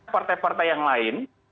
partai partai yang lain